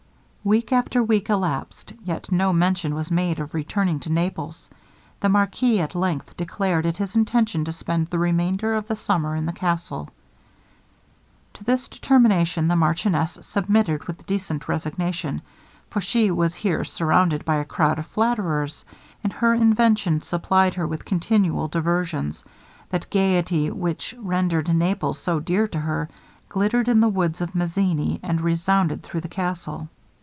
Week after week elapsed, yet no mention was made of returning to Naples. The marquis at length declared it his intention to spend the remainder of the summer in the castle. To this determination the marchioness submitted with decent resignation, for she was here surrounded by a croud of flatterers, and her invention supplied her with continual diversions: that gaiety which rendered Naples so dear to her, glittered in the woods of Mazzini, and resounded through the castle.